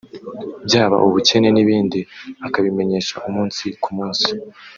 byaba ubukene n’ibindi akabimenyesha umunsi ku munsi